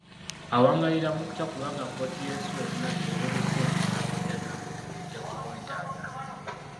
Awangaalira mu kutya kubanga kkooti y’ensi yonna ewozesa emisango gya Nnagomola ejja ku mwetaaga